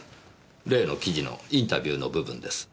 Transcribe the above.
例の記事のインタビューの部分です。